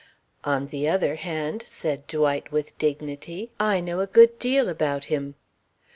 "On the other hand," said Dwight with dignity, "I know a good deal about him."